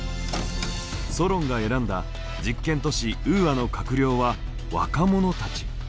ソロンが選んだ実験都市ウーアの閣僚は若者たち。